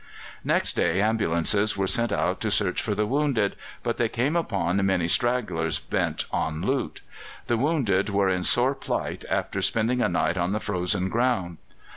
Next day ambulances were sent out to search for the wounded, but they came upon many stragglers bent on loot. The wounded were in sore plight after spending a night on the frozen ground.